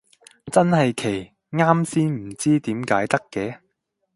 真係奇，啱先唔知點解得嘅